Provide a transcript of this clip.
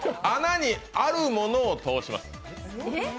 穴にあるものを通します。